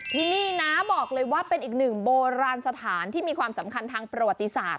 ที่นี่นะบอกเลยว่าเป็นอีกหนึ่งโบราณสถานที่มีความสำคัญทางประวัติศาสต